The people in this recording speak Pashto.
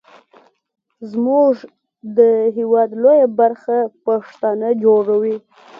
زمونږ د هیواد لویه برخه پښتانه جوړوي.